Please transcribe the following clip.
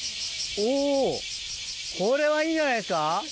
おぉこれはいいんじゃないですか？